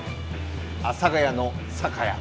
阿佐ヶ谷の酒屋。